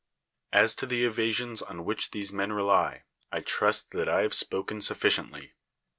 As to the evasions on which these men rely, I trust that I liave spoken sufficiently.